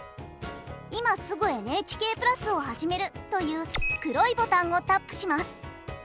「今すぐＮＨＫプラスをはじめる」という黒いボタンをタップします。